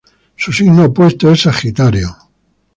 Su signo opuesto es Sagitario.